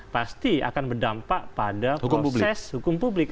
pasti akan berdampak pada proses hukum publik